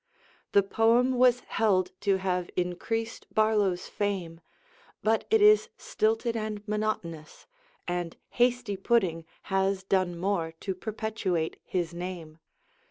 The poem was held to have increased Barlow's fame; but it is stilted and monotonous, and 'Hasty Pudding' has done more to perpetuate his name.